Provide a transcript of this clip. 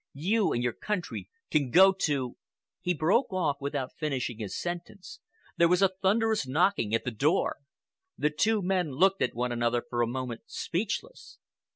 You and your country can go to—" He broke off without finishing his sentence. There was a thunderous knocking at the door. The two men looked at one another for a moment, speechless.